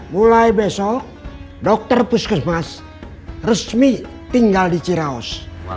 mulai besok dokter puskesmas resmi tinggal di ciraus